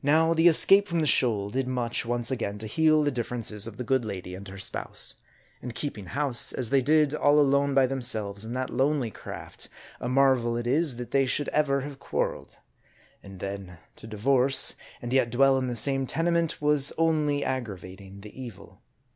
Now, the escape from the shoal did much once again to heal the differences of the good lady and her spouse. And keeping house, as they did, all alone by themselves, in that lonely craft, a marvel it is, that they should ever have quar reled. And then to divorce, and yet dwell in the same tenement, was only aggravating the evil.